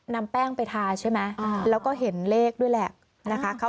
นำแป้งไปทาใช่ไหมแล้วก็เห็นเลขด้วยแหละนะคะ